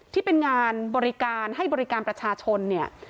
ที่เป็นงานบริการให้บริการประชาชนเนี่ย